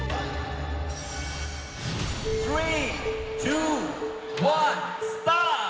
３・２・１スタート！